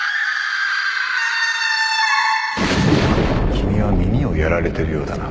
君は耳をやられてるようだな